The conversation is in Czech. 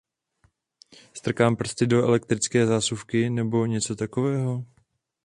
Strkám prsty do elektrické zásuvky nebo něco takového?